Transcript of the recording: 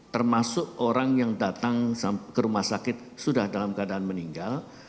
termasuk orang yang datang ke rumah sakit sudah dalam keadaan meninggal